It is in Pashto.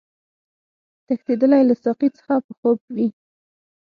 تښتېدلی له ساقي څخه به خوب وي